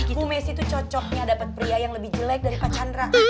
ibu messi tuh cocoknya dapet pria yang lebih jelek dari pak chandra